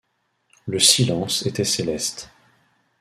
Le silence était céleste.